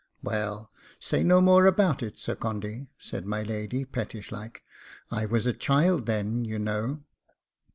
'Well, say no more about it, Sir Condy,' said my lady, pettish like; 'I was a child then, you know.